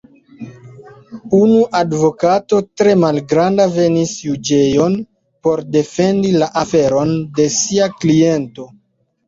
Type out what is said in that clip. Unu advokato, tre malgranda, venis juĝejon, por defendi la aferon de sia kliento.